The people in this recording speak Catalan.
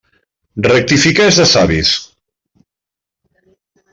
Rectificar és de savis.